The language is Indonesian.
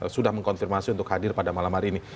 sudah mengkonfirmasi untuk hadir pada malam hari ini